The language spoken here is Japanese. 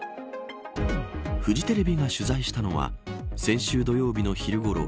フジテレビが取材したのは先週土曜日の昼ごろ